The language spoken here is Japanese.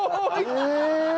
へえ！